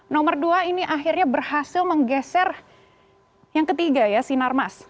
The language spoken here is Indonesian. nomor dua ini akhirnya berhasil menggeser yang ketiga ya sinarmas